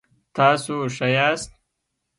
تاسو ښه یاست؟